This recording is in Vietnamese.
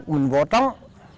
mình vỗ trống